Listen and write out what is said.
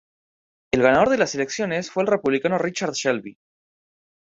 El ganador de las elecciones fue el Republicano Richard Shelby.